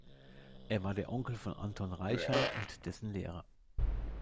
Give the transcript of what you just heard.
Er war der Onkel von Anton Reicha und dessen Lehrer.